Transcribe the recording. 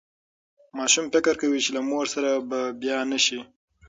ماشوم فکر کوي چې له مور سره به بیا نه شي.